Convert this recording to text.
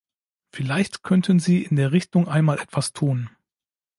Vielleicht könnten Sie in der Richtung einmal etwas tun.